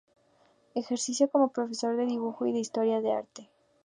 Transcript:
Ejerció como profesor de Dibujo y de Historia del Arte.